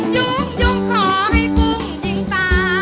ยุ่งขอให้ปุ้งยิงตา